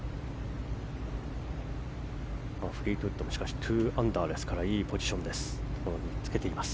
フリートウッドも２アンダーですからいいポジションにつけています。